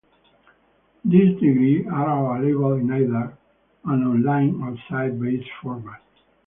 These degrees are available in either an online or site based format.